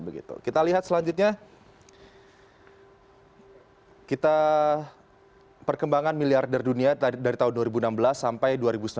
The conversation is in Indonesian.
kita lihat selanjutnya kita perkembangan miliarder dunia dari tahun dua ribu enam belas sampai dua ribu sembilan belas